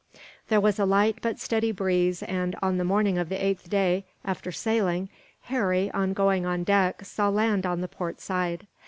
There was a light but steady breeze and, on the morning of the eighth day after sailing, Harry, on going on deck, saw land on the port side.